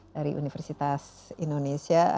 dari universitas indonesia